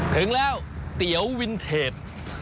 ถึงแล้วเตี๋ยววินเทจ